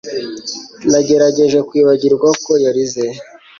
nagerageje kwibagirwa ko yarize